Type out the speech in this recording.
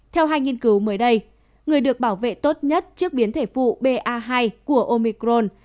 theo hai nghiên cứu mới đây người được bảo vệ tốt nhất trước biến thể phụ ba hai của omicron